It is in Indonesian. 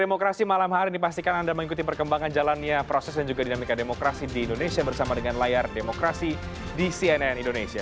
demokrasi malam hari ini pastikan anda mengikuti perkembangan jalannya proses dan juga dinamika demokrasi di indonesia bersama dengan layar demokrasi di cnn indonesia